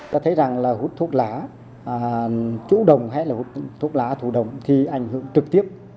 ta thấy rằng là hút thuốc lá chủ đồng hay là hút thuốc lá thủ đồng thì ảnh hưởng trực tiếp